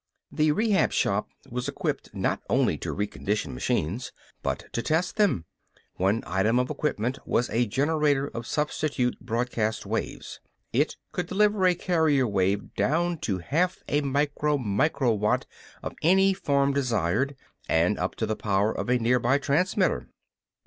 The Rehab Shop was equipped not only to recondition machines but to test them. One item of equipment was a generator of substitute broadcast waves. It could deliver a carrier wave down to half a micro micro watt of any form desired, and up to the power of a nearby transmitter.